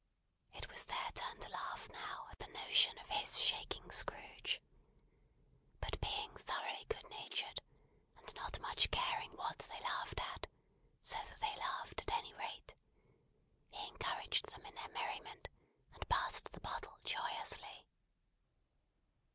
It was their turn to laugh now at the notion of his shaking Scrooge. But being thoroughly good natured, and not much caring what they laughed at, so that they laughed at any rate, he encouraged them in their merriment, and passed the bottle joyously.